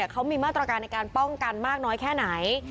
เขามีมาตรการในการป้องกันมากน้อยแค่ไหน